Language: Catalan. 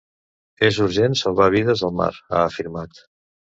És urgent salvar vides al mar, ha afirmat.